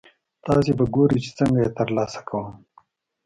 تاسې به ګورئ چې څنګه یې ترلاسه کوم.